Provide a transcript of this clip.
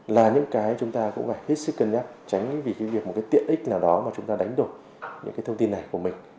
là những cái chúng ta cũng phải hết sức cân nhắc tránh vì cái việc một cái tiện ích nào đó mà chúng ta đánh đổi những cái thông tin này của mình